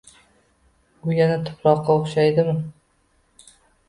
U yana tuproqqa o‘xshaydi.